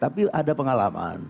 tapi ada pengalaman